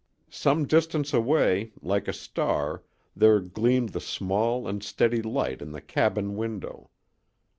Some distance away, like a star, there gleamed the small and steady light in the cabin window.